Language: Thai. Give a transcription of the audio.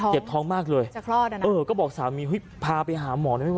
เจ็บท้องมากเลยเออก็บอกสามีพาไปหาหมอไม่ไหว